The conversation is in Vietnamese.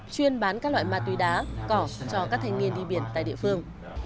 chuyên bán các loại ma túy đá cỏ cho các thanh niên đi biển tại địa phương